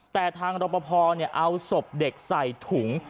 แต่ทางรบพอร์เอาสบเด็กใส่ถุง